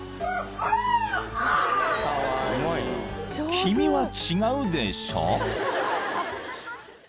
［君は違うでしょ？］